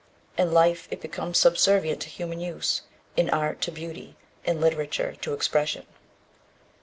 In life it becomes subservient to human use, in art to beauty, in literature to expression.